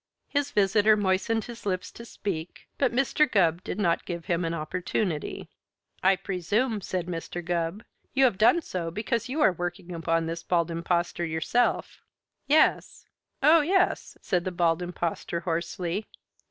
His visitor moistened his lips to speak, but Mr. Gubb did not give him an opportunity. "I presume," said Mr. Gubb, "you have so done because you are working upon this Bald Impostor yourself." "Yes. Oh, yes!" said the Bald Impostor hoarsely.